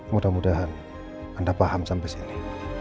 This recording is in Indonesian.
mudah mudahan anda paham sampai sini